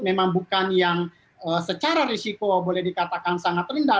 memang bukan yang secara risiko boleh dikatakan sangat rendah